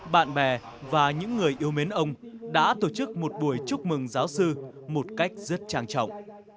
bạn bè và những người yêu mến ông đã tổ chức một buổi chúc mừng giáo sư một cách rất trang trọng